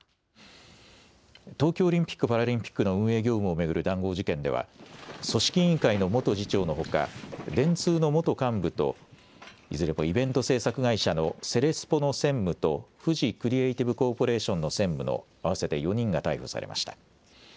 東京オリンピック・パラリンピックの運営業務を巡る談合事件では、組織委員会の元次長のほか、電通の元幹部と、いずれもイベント制作会社のセレスポの専務とフジクリエイティブコーポレーションの専務の合わせて４人が逮捕されました。